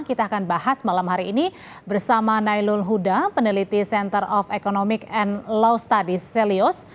kita akan bahas malam hari ini bersama nailul huda peneliti center of economic and law studies celios